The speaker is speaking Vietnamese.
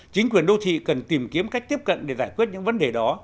chính quyền đô thị cần tìm kiếm cách tiếp cận để giải quyết những vấn đề đó